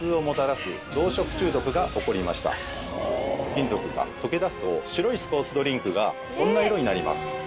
金属が溶け出すと白いスポーツドリンクがこんな色になります。